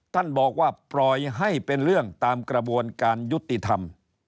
ท่านบอกว่าปล่อยให้เป็นเรื่องตามกระบวนการยุติธรรม